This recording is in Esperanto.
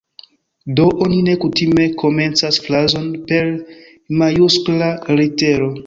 Do, oni ne kutime komencas frazon per majuskla litero.